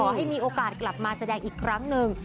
ให้มีโอกาสกลับมาแสดงอีกครั้งหนึ่ง